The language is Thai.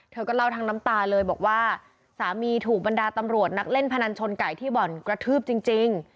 เธอก็เล่าทั้งน้ำตาเลยบอกว่าสามีถูกบรรดาตำรวจนักเล่นพนันชนไก่ที่บ่อนกระทืบจริง